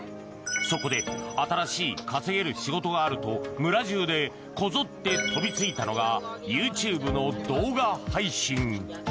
そこで新しい稼げる仕事があると村中でこぞって飛びついたのがＹｏｕＴｕｂｅの動画配信。